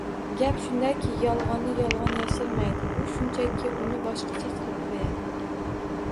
Gap shundaki, yolg‘onni yolg‘on yashirmaydi, u shunchaki uni boshqacha qilib qo‘yadi.